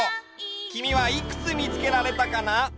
きみはいくつみつけられたかな？